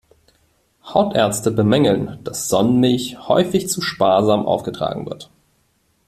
Hautärzte bemängeln, dass Sonnenmilch häufig zu sparsam aufgetragen wird.